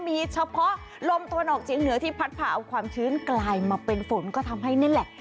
มีเฉพาะลมตะวันออกเฉียงเหนือที่พัดผ่าเอาความชื้นกลายมาเป็นฝนก็ทำให้นี่แหละ